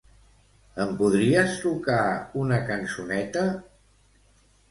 Em podries tocar una cançoneta?